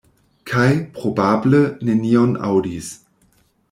Kaj, probable, nenion aŭdis.